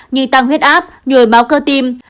như tăng huyết áp nhùi máu cơ tim